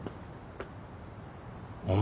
お前